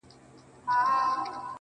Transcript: انساني توره څېره ښيي-